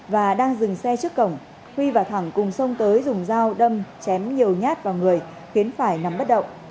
và đang dừng xe trước cổng huy và thẳng cùng sông tới dùng dao đâm chém nhiều nhát vào người khiến phải nằm bất động